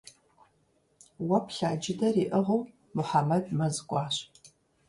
Уэ плъа джыдэр иӏыгъыу Мухьэмэд мэз кӏуащ.